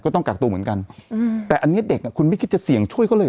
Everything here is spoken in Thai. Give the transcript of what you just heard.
ต้องกักตัวเหมือนกันอืมแต่อันนี้เด็กอ่ะคุณไม่คิดจะเสี่ยงช่วยเขาเลยเห